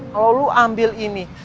kalau lu ambil ini